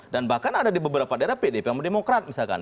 dan bahkan ada di beberapa daerah pdp yang berdemokrat misalkan